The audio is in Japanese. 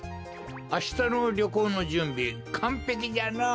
あしたのりょこうのじゅんびかんぺきじゃのう。